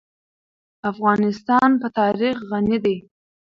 افغانستان په تاریخ غني دی.